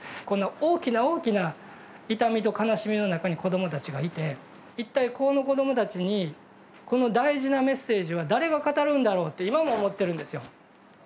この大きな大きな痛みと悲しみの中に子どもたちがいて一体この子どもたちにこの大事なメッセージは誰が語るんだろうって今も思ってるんですよ。